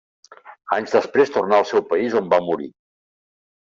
Anys després tornà al seu país, on va morir.